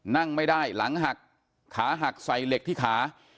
นั่งไม่ได้หลังหักขาหักใส่เหล็กที่ขา